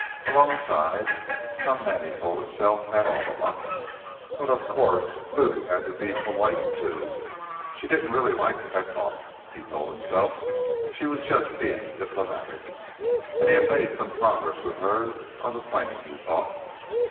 Malone sighed. Some men, he told himself, had all the luck. But, of course, Lou had to be polite, too. She didn't really like Petkoff, he told himself; she was just being diplomatic. And he had made some progress with her on the plane, he thought.